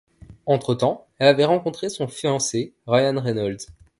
Entre-temps, elle avait rencontré son fiancé, Ryan Reynolds.